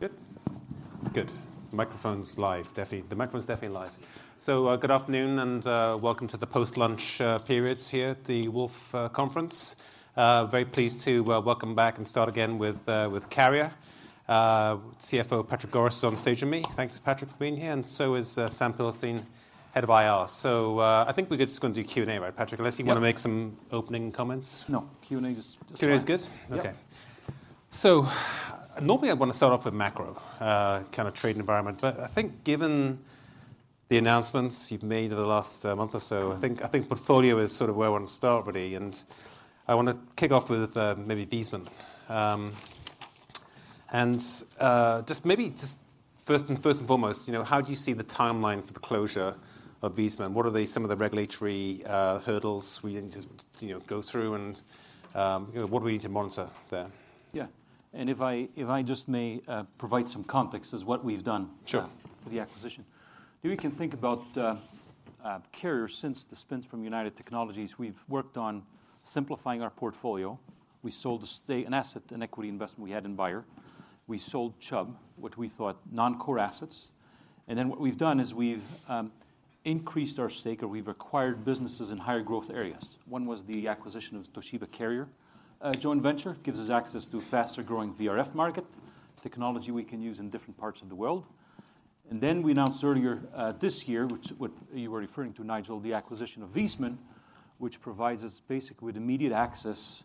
Good. Good. Microphone's live, the microphone's definitely live. Good afternoon and welcome to the post-lunch periods here at the Wolfe Conference. Very pleased to welcome back and start again with Carrier CFO Patrick Goris on stage with me. Thanks, Patrick, for being here, and so is Sam Pearlstein, Head of IR. I think we could just go and do Q&A, right, Patrick- Yeah... unless you wanna make some opening comments. No. Q&A is fine. Q&A is good? Yeah. Okay. Normally I'd wanna start off with macro, kind of trade environment. I think given the announcements you've made over the last, month or so... Mm-hmm I think portfolio is sort of where I wanna start really, and I wanna kick off with, maybe Viessmann. Just maybe first and foremost, you know, how do you see the timeline for the closure of Viessmann? What are the some of the regulatory hurdles we need to, you know, go through and, you know, what do we need to monitor there? Yeah. If I just may, provide some context as what we've done. Sure... for the acquisition. You can think about Carrier since the spins from United Technologies, we've worked on simplifying our portfolio. We sold an asset, an equity investment we had in Beijer Ref. We sold Chubb, what we thought non-core assets. What we've done is we've increased our stake, or we've acquired businesses in higher growth areas. One was the acquisition of Toshiba Carrier. A joint venture gives us access to a faster growing VRF market, technology we can use in different parts of the world. We announced earlier this year, which, what you were referring to, Nigel, the acquisition of Viessmann, which provides us basically with immediate access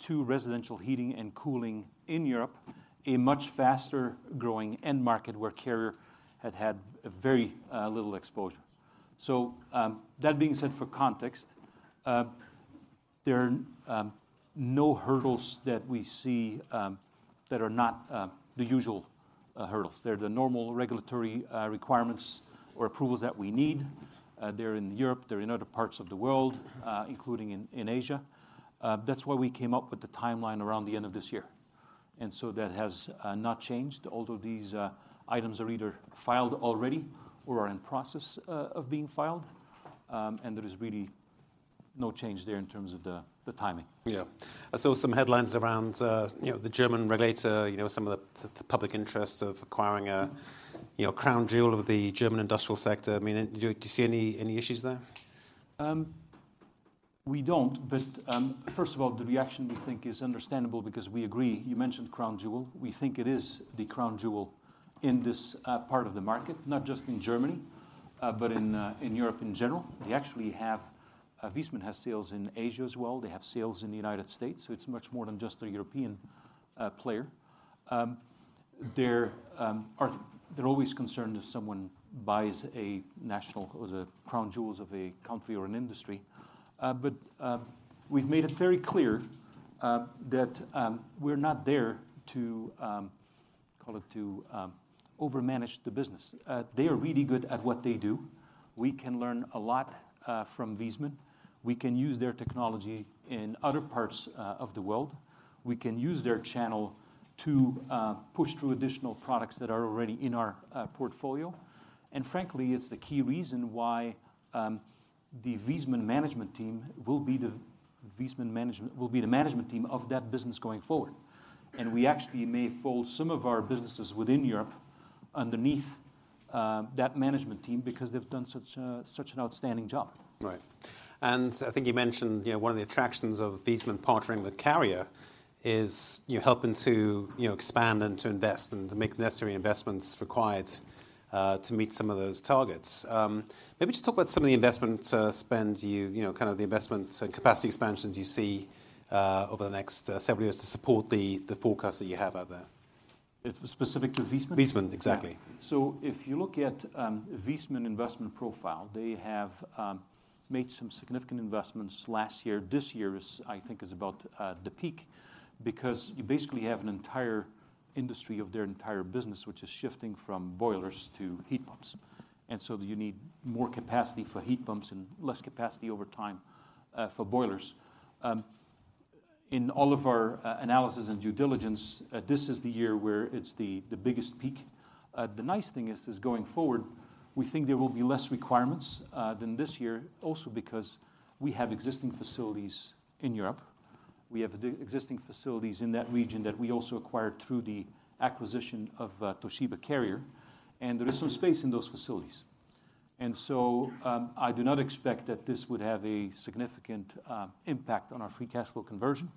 to residential heating and cooling in Europe, a much faster growing end market where Carrier had had very little exposure. That being said for context, there are no hurdles that we see that are not the usual hurdles. They're the normal regulatory requirements or approvals that we need. They're in Europe, they're in other parts of the world, including in Asia. That's why we came up with the timeline around the end of this year. That has not changed, although these items are either filed already or are in process of being filed. There is really no change there in terms of the timing. Yeah. I saw some headlines around, you know, the German regulator, you know, some of the public interest of acquiring a, you know, crown jewel of the German industrial sector. I mean, do you see any issues there? We don't. First of all, the reaction we think is understandable because we agree. You mentioned crown jewel. We think it is the crown jewel in this part of the market, not just in Germany, but in Europe in general. They actually have. Viessmann has sales in Asia as well. They have sales in the United States, so it's much more than just a European player. They're always concerned if someone buys a national or the crown jewels of a country or an industry. We've made it very clear that we're not there to call it to over-manage the business. They are really good at what they do. We can learn a lot from Viessmann. We can use their technology in other parts of the world. We can use their channel to push through additional products that are already in our portfolio. Frankly, it's the key reason why the Viessmann management team will be the management team of that business going forward. We actually may fold some of our businesses within Europe underneath that management team because they've done such an outstanding job. Right. I think you mentioned, you know, one of the attractions of Viessmann partnering with Carrier is you're helping to, you know, expand and to invest and to make the necessary investments required to meet some of those targets. Maybe just talk about some of the investment spend you know, kind of the investments and capacity expansions you see over the next several years to support the forecast that you have out there. It's specific to Viessmann? Viessmann, exactly. Yeah. If you look at Viessmann investment profile, they have made some significant investments last year. This year is, I think, is about the peak because you basically have an entire industry of their entire business, which is shifting from boilers to heat pumps, you need more capacity for heat pumps and less capacity over time for boilers. In all of our analysis and due diligence, this is the biggest peak. The nice thing is going forward, we think there will be less requirements than this year also because we have existing facilities in Europe. We have existing facilities in that region that we also acquired through the acquisition of Toshiba Carrier, there is some space in those facilities. I do not expect that this would have a significant impact on our free cash flow conversion.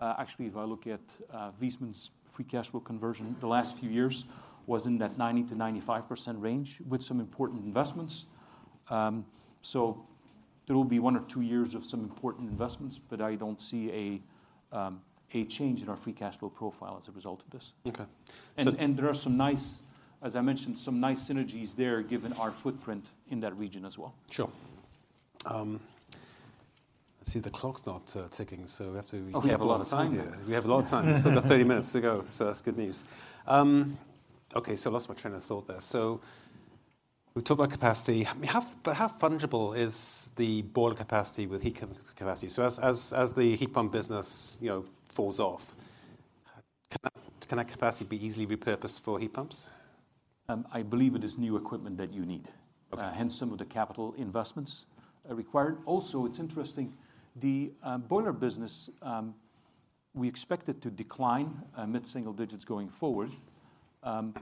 Actually, if I look at Viessmann's free cash flow conversion, the last few years was in that 90%-95% range with some important investments. There will be 1 or 2 years of some important investments, but I don't see a change in our free cash flow profile as a result of this. Okay. There are some nice, as I mentioned, some nice synergies there given our footprint in that region as well. Sure. I see the clock start, ticking. Okay. We have a lot of time. Yeah, we have a lot of time. Still about 30 minutes to go, that's good news. Okay, I lost my train of thought there. We talked about capacity. How fungible is the boiler capacity with heat pump capacity? As the heat pump business, you know, falls off, can that capacity be easily repurposed for heat pumps? I believe it is new equipment that you need. Okay. Hence some of the capital investments required. Also, it's interesting, the boiler business, we expect it to decline mid-single digits going forward. The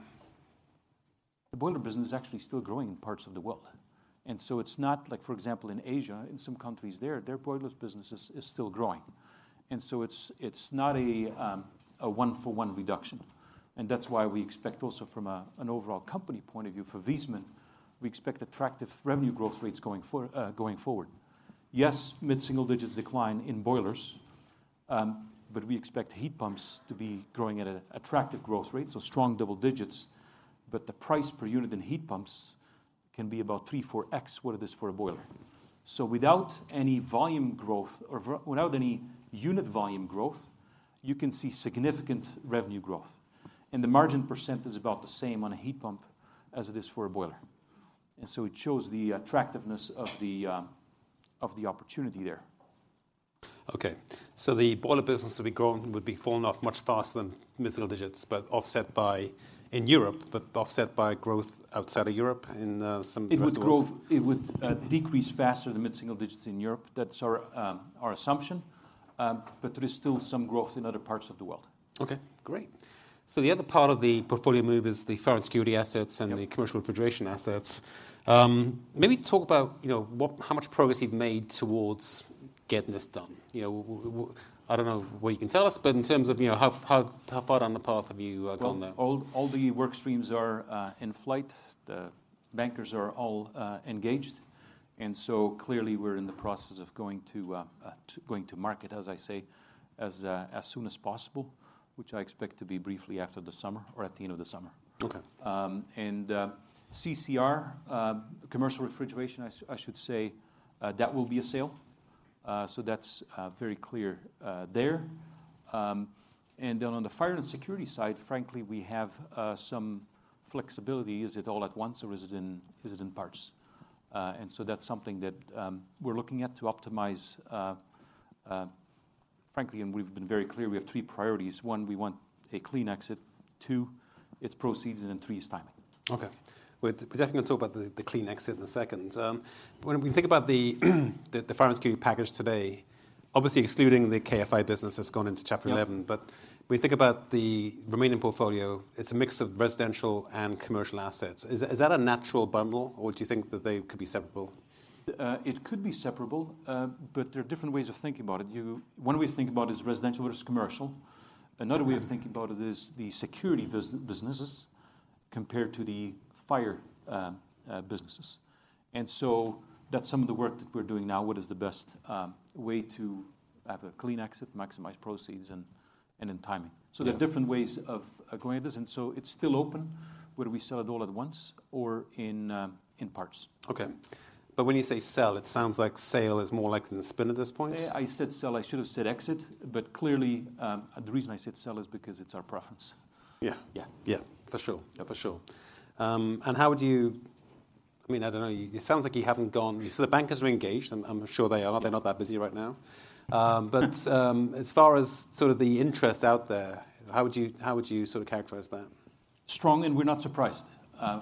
boiler business is actually still growing in parts of the world. It's not like, for example, in Asia, in some countries there, their boilers business is still growing. It's not a one-for-one reduction, and that's why we expect also from an overall company point of view for Viessmann, we expect attractive revenue growth rates going forward. Yes, mid-single digits decline in boilers. We expect heat pumps to be growing at a attractive growth rate, so strong double digits. The price per unit in heat pumps can be about 3, 4x what it is for a boiler. Without any volume growth or without any unit volume growth, you can see significant revenue growth. The margin % is about the same on a heat pump as it is for a boiler. It shows the attractiveness of the opportunity there. Okay. The boiler business will be grown, would be falling off much faster than mid-single digits, but offset by, in Europe, growth outside of Europe in, some reservoirs. It would grow, it would decrease faster than mid-single digits in Europe. That's our assumption. There is still some growth in other parts of the world. Okay. Great. The other part of the portfolio move is the fire and security assets. Yeah... and the commercial refrigeration assets. Maybe talk about, you know, what, how much progress you've made towards getting this done. You know, I don't know what you can tell us, but in terms of, you know, how far down the path have you gone there? Well, all the work streams are in flight. The bankers are all engaged. Clearly we're in the process of going to market, as I say, as soon as possible, which I expect to be briefly after the summer or at the end of the summer. Okay. CCR, commercial refrigeration, I should say, that will be a sale. That's very clear there. On the fire and security side, frankly, we have some flexibility. Is it all at once or is it in parts? That's something that we're looking at to optimize. Frankly, and we've been very clear, we have three priorities. One, we want a clean exit. Two, its proceeds. Three is timing. Okay. We're definitely gonna talk about the clean exit in a second. When we think about the fire and security package today, obviously excluding the KFI business that's gone into Chapter 11. Yeah. When we think about the remaining portfolio, it's a mix of residential and commercial assets. Is that a natural bundle or do you think that they could be separable? It could be separable, but there are different ways of thinking about it. You, one way to think about it is residential versus commercial. Okay. Another way of thinking about it is the security businesses compared to the fire businesses. That's some of the work that we're doing now. What is the best way to have a clean exit, maximize proceeds, and in timing? Yeah. There are different ways of going at this, and so it's still open, whether we sell it all at once or in parts. Okay. When you say sell, it sounds like sale is more likely than spin at this point. I said sell. I should have said exit. Clearly, the reason I said sell is because it's our preference. Yeah. Yeah. Yeah. For sure. Yeah. For sure. I mean, I don't know, it sounds like you haven't gone... The bankers are engaged, and I'm sure they are. They're not that busy right now.... as far as sort of the interest out there, how would you sort of characterize that? Strong, we're not surprised.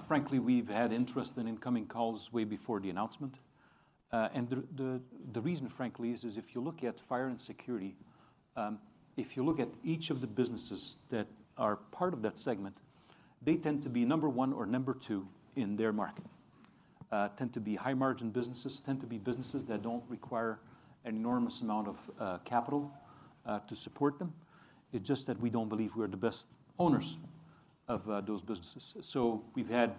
Frankly, we've had interest and incoming calls way before the announcement. The reason frankly is if you look at fire and security, if you look at each of the businesses that are part of that segment, they tend to be number one or number two in their market. Tend to be high margin businesses, tend to be businesses that don't require an enormous amount of capital to support them. It's just that we don't believe we're the best owners of those businesses. We've had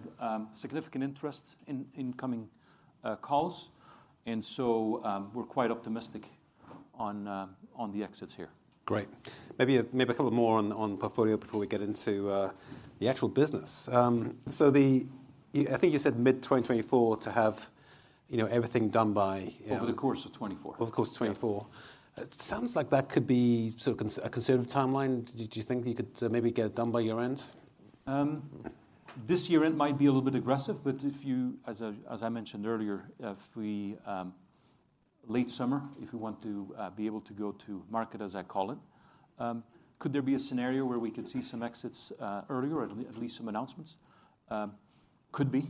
significant interest in incoming calls. We're quite optimistic on the exits here. Great. Maybe a couple of more on portfolio before we get into the actual business. I think you said mid-2024 to have, you know, everything done by. Over the course of 2024. Over the course of 2024. Yeah. It sounds like that could be a conservative timeline. Do you think you could maybe get it done by year-end? This year it might be a little bit aggressive, but if you, as I mentioned earlier, if we, late summer, if we want to be able to go to market, as I call it, could there be a scenario where we could see some exits, earlier, at least some announcements? Could be.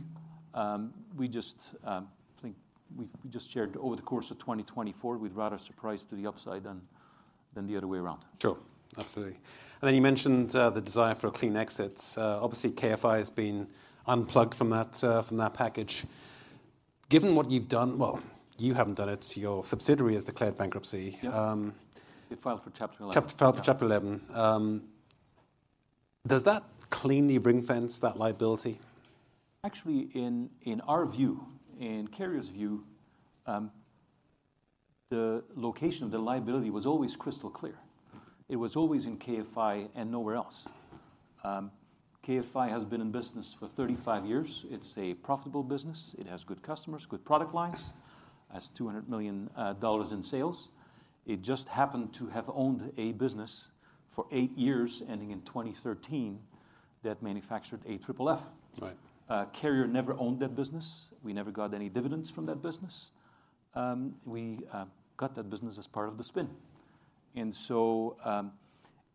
We just, I think we just shared over the course of 2024, we'd rather surprise to the upside than the other way around. Sure. Absolutely. You mentioned, the desire for a clean exit. Obviously KFI has been unplugged from that, from that package. Given what you've done... you haven't done it, your subsidiary has declared bankruptcy. Yeah. Um- It filed for Chapter 11. Chapter, filed for Chapter 11. Does that cleanly ring-fence that liability? Actually, in our view, in Carrier's view, the location of the liability was always crystal clear. It was always in KFI and nowhere else. KFI has been in business for 35 years. It's a profitable business. It has good customers, good product lines. Has $200 million in sales. It just happened to have owned a business for 8 years, ending in 2013, that manufactured AFFF. Right. Carrier never owned that business. We never got any dividends from that business. We got that business as part of the spin.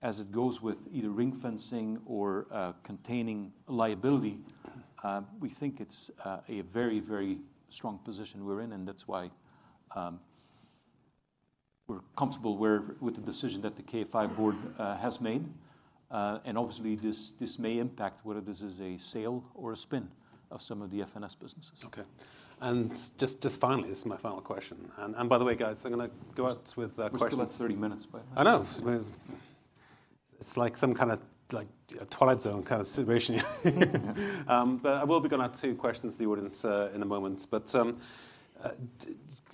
As it goes with either ring-fencing or containing liability, we think it's a very, very strong position we're in, and that's why we're comfortable with the decision that the KFI board has made. Obviously this may impact whether this is a sale or a spin of some of the FNS businesses. Okay. Just finally, this is my final question. By the way, guys, I'm gonna go out with questions. We still have 30 minutes, by the way. I know. It's like some kinda like Twilight Zone kinda situation. I will be going out to questions to the audience in a moment.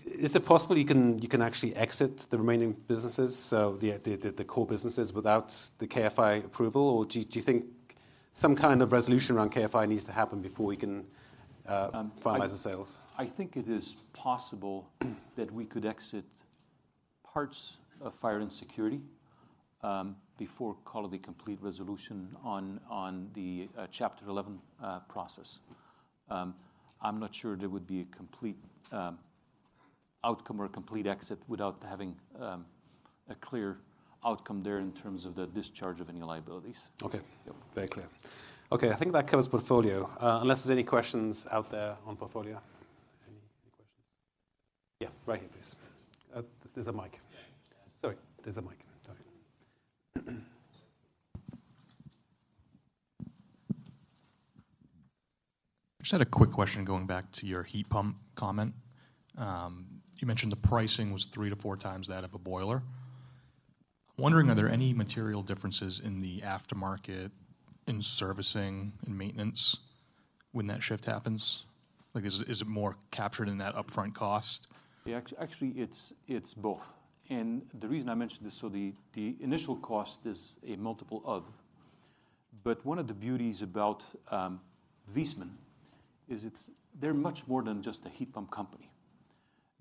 Is it possible you can actually exit the remaining businesses, so the core businesses without the KFI approval? Do you think some kind of resolution around KFI needs to happen before we can finalize the sales? I think it is possible that we could exit parts of fire and security, before call it the complete resolution on the Chapter 11 process. I'm not sure there would be a complete outcome or a complete exit without having a clear outcome there in terms of the discharge of any liabilities. Okay. Yep. Very clear. Okay. I think that covers portfolio, unless there's any questions out there on portfolio. Any questions? Yeah, right here, please. There's a mic. Yeah. Sorry. There's a mic. Sorry. Just had a quick question going back to your heat pump comment. You mentioned the pricing was 3 to 4x that of a boiler. I'm wondering, are there any material differences in the aftermarket in servicing and maintenance when that shift happens? Like, is it more captured in that upfront cost? Yeah. Actually, it's both. The reason I mentioned this, the initial cost is a multiple of. One of the beauties about Viessmann is they're much more than just a heat pump company.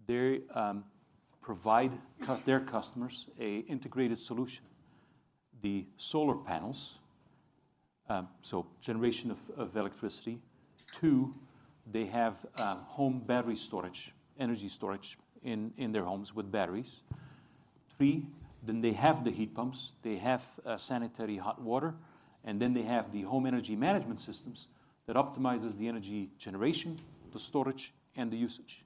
They provide a integrated solution. The solar panels, generation of electricity. Two, they have home battery storage, energy storage in their homes with batteries. Three, they have the heat pumps. They have sanitary hot water, they have the home energy management systems that optimizes the energy generation, the storage, and the usage.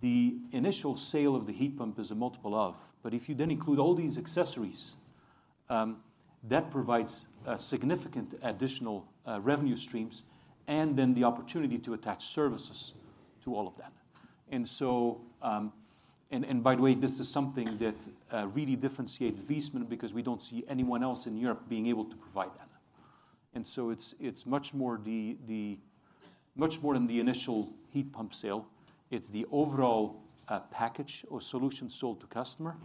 The initial sale of the heat pump is a multiple of. If you then include all these accessories, that provides a significant additional revenue streams, the opportunity to attach services to all of that. And by the way, this is something that really differentiates Viessmann because we don't see anyone else in Europe being able to provide that. It's much more the much more than the initial heat pump sale. It's the overall package or solution sold to customer,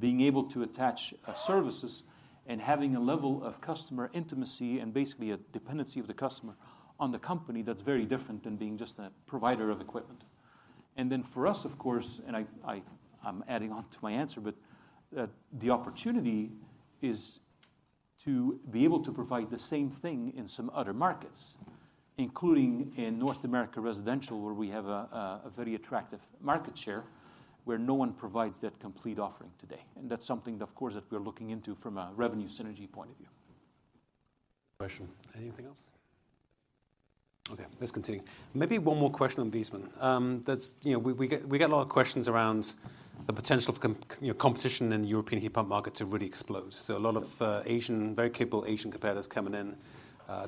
being able to attach services and having a level of customer intimacy and basically a dependency of the customer on the company that's very different than being just a provider of equipment. For us, of course, and I'm adding on to my answer, but the opportunity is to be able to provide the same thing in some other markets, including in North America residential, where we have a very attractive market share where no one provides that complete offering today. That's something that, of course, that we're looking into from a revenue synergy point of view. Question. Anything else? Okay. Let's continue. Maybe one more question on Viessmann. That's, you know, we get a lot of questions around the potential of you know, competition in the European heat pump market to really explode. A lot of, Asian, very capable Asian competitors coming in.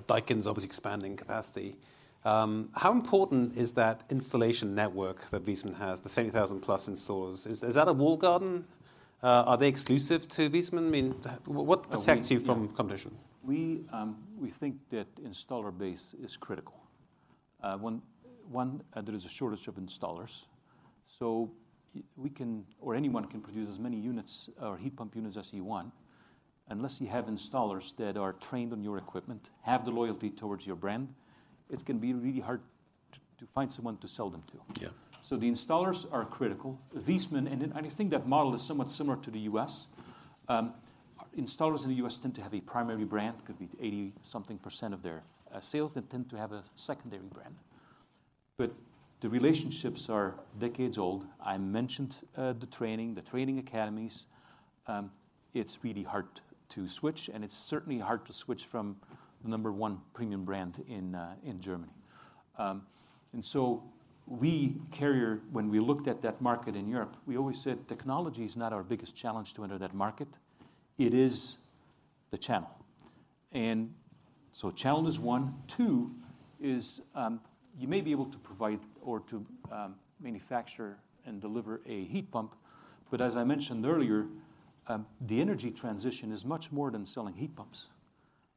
Daikin's obviously expanding capacity. How important is that installation network that Viessmann has, the 70,000 plus installers? Is that a walled garden? Are they exclusive to Viessmann? I mean, what protects you from competition? We think that installer base is critical. There is a shortage of installers, so we can, or anyone can produce as many units or heat pump units as you want. Unless you have installers that are trained on your equipment, have the loyalty towards your brand, it can be really hard to find someone to sell them to. Yeah. The installers are critical. Viessmann, I think that model is somewhat similar to the U.S. Installers in the U.S. tend to have a primary brand, could be 80 something % of their sales. They tend to have a secondary brand. The relationships are decades old. I mentioned the training academies. It's really hard to switch, and it's certainly hard to switch from the number one premium brand in Germany. We, Carrier, when we looked at that market in Europe, we always said technology is not our biggest challenge to enter that market. It is the channel. Channel is one. Two is, you may be able to provide or to manufacture and deliver a heat pump, but as I mentioned earlier, the energy transition is much more than selling heat pumps.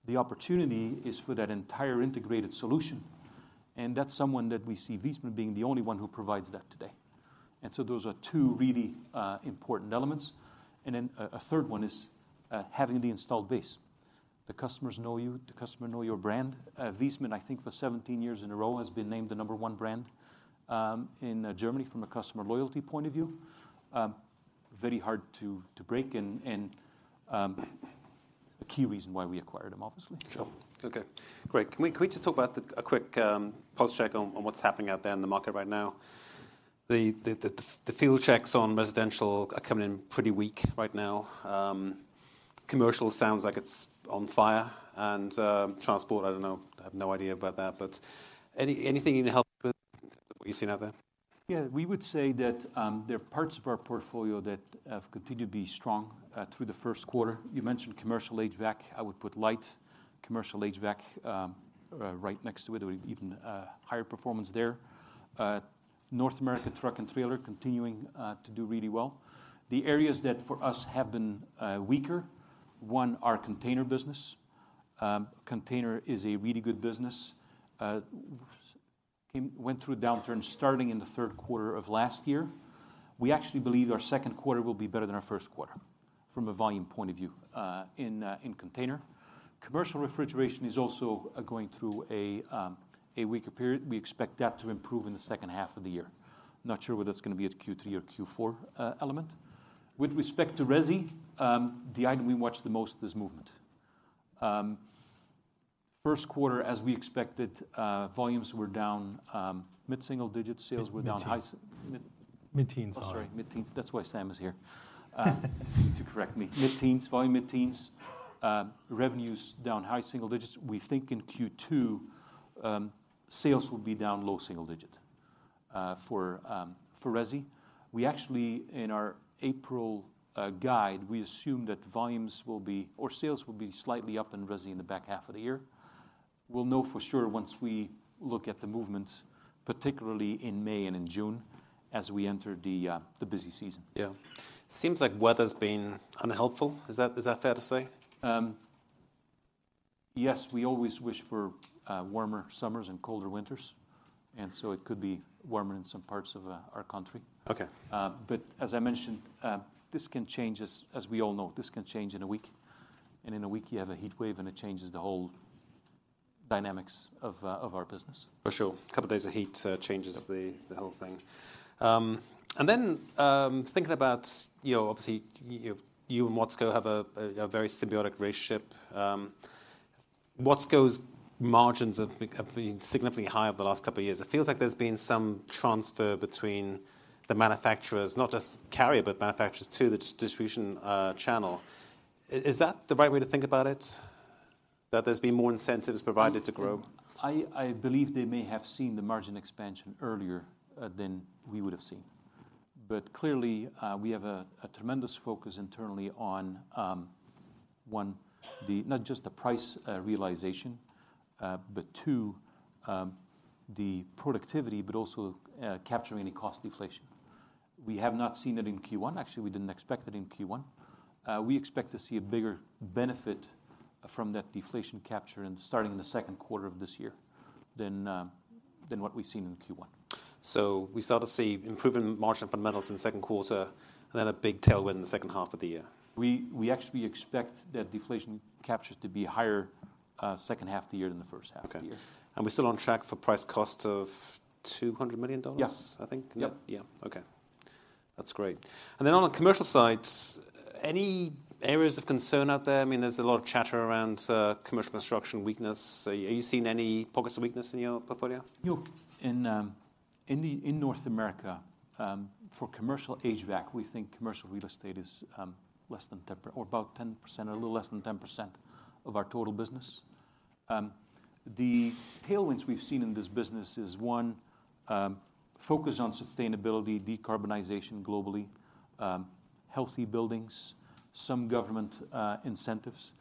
The opportunity is for that entire integrated solution, and that's someone that we see Viessmann being the only one who provides that today. Those are two really important elements. A third one is having the installed base. The customers know you, the customer know your brand. Viessmann, I think for 17 years in a row, has been named the number one brand in Germany from a customer loyalty point of view. Very hard to break and A key reason why we acquired them, obviously. Sure. Okay. Great. Can we just talk about a quick pulse check on what's happening out there in the market right now? The field checks on residential are coming in pretty weak right now. Commercial sounds like it's on fire and transport, I don't know. I have no idea about that. Anything you can help with in terms of what you're seeing out there? Yeah. We would say that there are parts of our portfolio that have continued to be strong through the first quarter. You mentioned commercial HVAC. I would put light commercial HVAC right next to it with even higher performance there. North America truck and trailer continuing to do really well. The areas that for us have been weaker, one, our container business. Container is a really good business. went through a downturn starting in the third quarter of last year. We actually believe our second quarter will be better than our first quarter from a volume point of view in container. Commercial refrigeration is also going through a weaker period. We expect that to improve in the second half of the year. Not sure whether it's gonna be at Q3 or Q4 element. With respect to resi, the item we watched the most this movement. First quarter, as we expected, volumes were down, mid-single digits. Sales were down high. Mid-teens. Mid- Mid-teens volume. sorry, mid-teens. That's why Sam is here to correct me. Mid-teens. Volume mid-teens. Revenues down high single digits. We think in Q2, sales will be down low single digit for resi. We actually, in our April guide, we assume that volumes will be, or sales will be slightly up in resi in the back half of the year. We'll know for sure once we look at the movement, particularly in May and in June as we enter the busy season. Yeah. Seems like weather's been unhelpful. Is that, is that fair to say? Yes. We always wish for warmer summers and colder winters, and so it could be warmer in some parts of our country. Okay. As I mentioned, this can change as we all know, this can change in a week, and in a week you have a heat wave, and it changes the whole dynamics of our business. For sure. Couple days of heat, changes. Yep... the whole thing. Thinking about, you know, obviously you and WATSCO have a very symbiotic relationship. WATSCO's margins have been significantly higher over the last couple of years. It feels like there's been some transfer between the manufacturers, not just Carrier, but manufacturers to the distribution channel. Is that the right way to think about it, that there's been more incentives provided to grow? I believe they may have seen the margin expansion earlier than we would have seen. Clearly, we have a tremendous focus internally on one, not just the price realization, but two, the productivity, but also capturing any cost deflation. We have not seen it in Q1. Actually, we didn't expect it in Q1. We expect to see a bigger benefit from that deflation capture and starting in the second quarter of this year than what we've seen in Q1. We start to see improving margin fundamentals in the second quarter, and then a big tailwind in the second half of the year. We actually expect that deflation capture to be higher, second half of the year than the first half of the year. Okay. We're still on track for price cost of $200 million. Yeah... I think. Yep. Yeah. Okay. That's great. On the commercial side, any areas of concern out there? I mean, there's a lot of chatter around commercial construction weakness. Are you seeing any pockets of weakness in your portfolio? You, in North America, for commercial HVAC, we think commercial real estate is about 10%, a little less than 10% of our total business. The tailwinds we've seen in this business is, one, focus on sustainability, decarbonization globally, healthy buildings, some government incentives.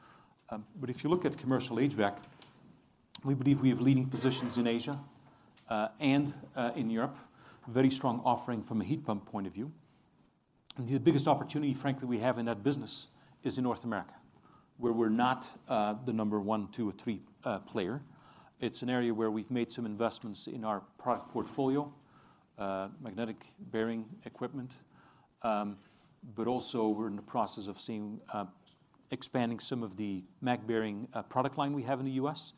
If you look at commercial HVAC, we believe we have leading positions in Asia, and in Europe. Very strong offering from a heat pump point of view. The biggest opportunity, frankly, we have in that business is in North America, where we're not the number 1, 2, or 3 player. It's an area where we've made some investments in our product portfolio, magnetic bearing equipment. Also we're in the process of seeing expanding some of the mag-bearing product line we have in the U.S.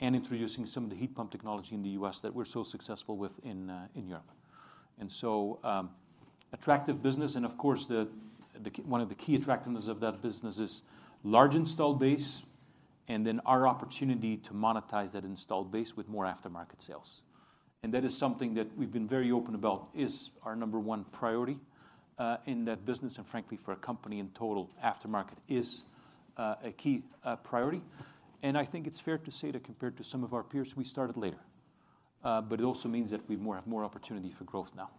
and introducing some of the heat pump technology in the U.S. that we're so successful with in Europe. So attractive business and of course one of the key attractiveness of that business is large installed base and then our opportunity to monetize that installed base with more aftermarket sales. That is something that we've been very open about is our number 1 priority in that business. Frankly, for a company in total, aftermarket is a key priority. I think it's fair to say that compared to some of our peers, we started later. It also means that we have more opportunity for growth now.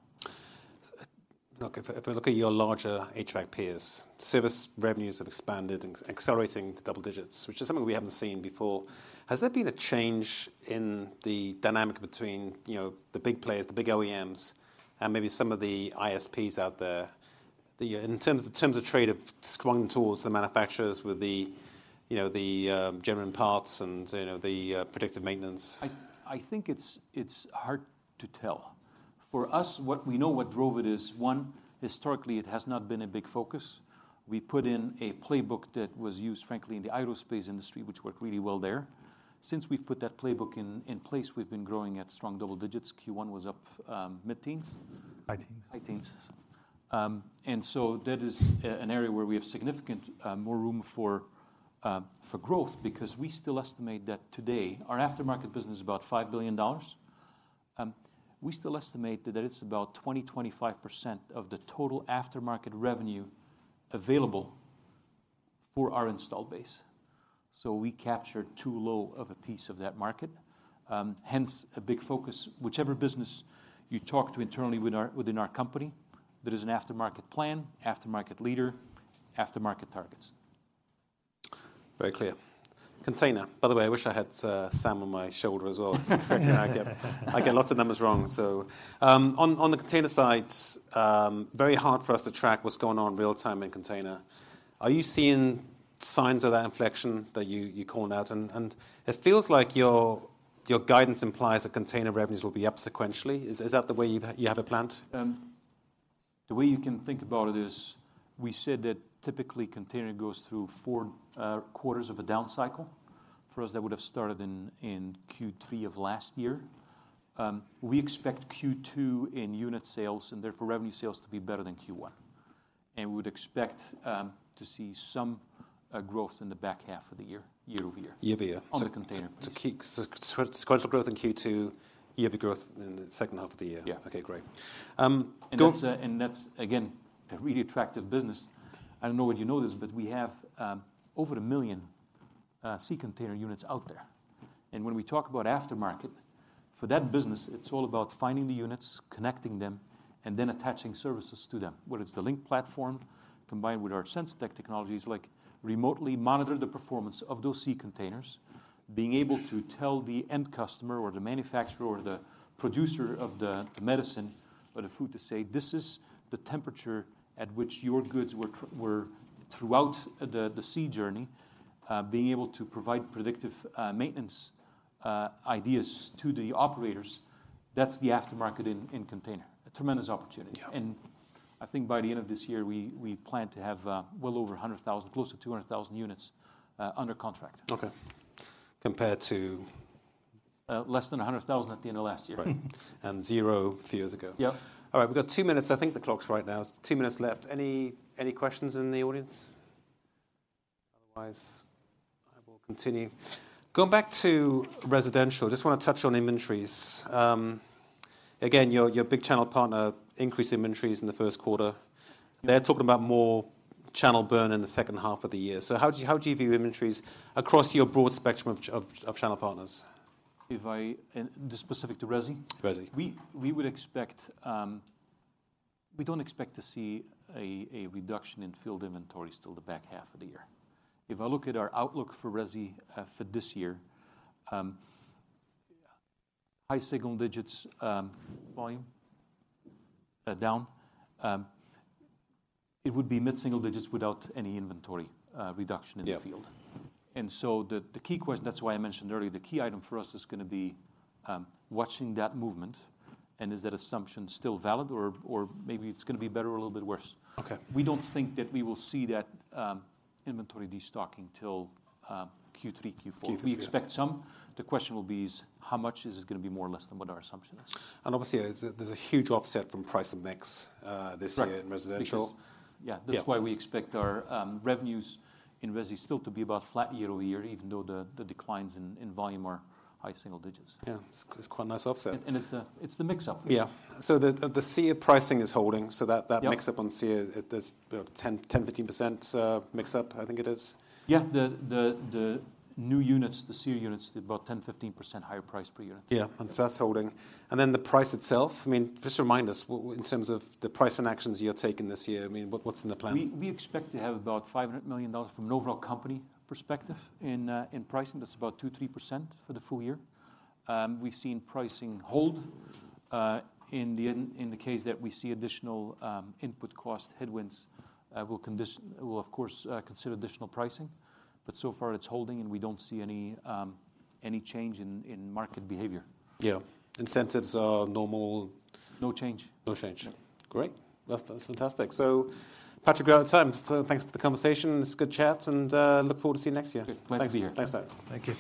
Look, if I look at your larger HVAC peers, service revenues have expanded and accelerating to double digits, which is something we haven't seen before. Has there been a change in the dynamic between, you know, the big players, the big OEMs, and maybe some of the ISPs out there, in terms of trade have swung towards the manufacturers with the, you know, genuine parts and, you know, predictive maintenance? I think it's hard to tell. For us, what we know what drove it is, one, historically, it has not been a big focus. We put in a playbook that was used, frankly, in the aerospace industry, which worked really well there. Since we've put that playbook in place, we've been growing at strong double digits. Q1 was up mid-teens. High teens. High teens. That is an area where we have significant more room for growth because we still estimate that today our aftermarket business is about $5 billion. We still estimate that it's about 20%-25% of the total aftermarket revenue available for our installed base. We capture too low of a piece of that market, hence a big focus. Whichever business you talk to internally within our company, there is an aftermarket plan, aftermarket leader, aftermarket targets. Very clear. Container. By the way, I wish I had Sam on my shoulder as well. To be fair, yeah, I get lots of numbers wrong, so. On the container side, very hard for us to track what's going on real-time in container. Are you seeing signs of that inflection that you called out and it feels like your guidance implies that container revenues will be up sequentially. Is that the way you have it planned? The way you can think about it is we said that typically container goes through four quarters of a down cycle. For us, that would have started in Q3 of last year. We expect Q2 in unit sales and therefore revenue sales to be better than Q1. We would expect to see some growth in the back half of the year-over-year. year-over-year on the container. sequential growth in Q2, year-over-year growth in the second half of the year. Yeah. Okay, great. That's again, a really attractive business. I don't know whether you know this, but we have over 1 million sea container units out there. When we talk about aftermarket, for that business, it's all about finding the units, connecting them, and then attaching services to them, whether it's the Carrier Link combined with our sense tech technologies, like remotely monitor the performance of those sea containers, being able to tell the end customer or the manufacturer or the producer of the medicine or the food to say, "This is the temperature at which your goods were throughout the sea journey," being able to provide predictive maintenance ideas to the operators. That's the aftermarket in container. A tremendous opportunity. Yeah. I think by the end of this year, we plan to have, well over 100,000, close to 200,000 units, under contract. Okay. Compared to? less than $100,000 at the end of last year. Right. 0 a few years ago. Yeah. All right, we've got 2 minutes. I think the clock's right now. 2 minutes left. Any questions in the audience? Otherwise, I will continue. Going back to residential, just wanna touch on inventories. Again, your big channel partner increased inventories in the 1st quarter. They're talking about more channel burn in the 2nd half of the year. How do you view inventories across your broad spectrum of channel partners? Just specific to resi? Resi. We would expect. We don't expect to see a reduction in field inventories till the back half of the year. If I look at our outlook for resi for this year, high single digits volume down, it would be mid-single digits without any inventory reduction in the field. Yeah. The key question, that's why I mentioned earlier, the key item for us is gonna be watching that movement and is that assumption still valid or maybe it's gonna be better or a little bit worse. Okay. We don't think that we will see that inventory destocking till Q3, Q4. Q3, Q4. We expect some. The question will be is how much is this gonna be more or less than what our assumption is. Obviously, there's a huge offset from price and mix, this year. Right ...in residential. For sure. Yeah. Yeah. That's why we expect our revenues in resi still to be about flat year-over-year, even though the declines in volume are high single digits. Yeah. It's quite a nice offset. It's the, it's the mix up. Yeah. The SEER pricing is holding. Yep ...that mix up on SEER, there's about 10%-15% mix up, I think it is. Yeah. The new units, the SEER units, they're about 10%-15% higher price per unit. Yeah. That's holding. The price itself, I mean, just remind us in terms of the price and actions you're taking this year, I mean, what's in the plan? We expect to have about $500 million from an overall company perspective in pricing. That's about 2%-3% for the full year. We've seen pricing hold. In the case that we see additional input cost headwinds, we'll of course consider additional pricing. So far it's holding and we don't see any change in market behavior. Yeah. Incentives are normal. No change. No change. Yeah. Great. That's fantastic. Patrick, we're out of time. Thanks for the conversation. It's good chat and look forward to seeing you next year. Good. Glad to be here. Thanks, Pat. Thank you.